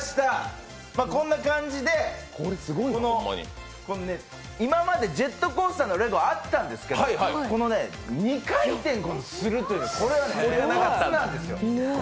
こんな感じで、今までジェットコースターのレゴあったんですけど、この２回転するってのは初なんですよ。